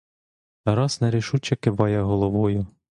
Тарас нерішуче киває головою.